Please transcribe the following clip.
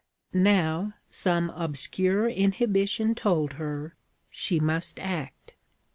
Now, some obscure inhibition told her, she must act.